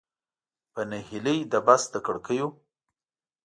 په نهیلۍ د بس له کړکیو.